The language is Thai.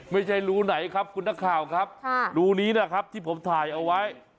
ไม่รู้ไหนครับคุณนักข่าวครับรูนี้นะครับที่ผมถ่ายเอาไว้